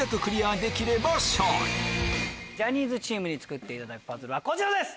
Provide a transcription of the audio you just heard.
ジャニーズチームに作っていただくパズルはこちらです。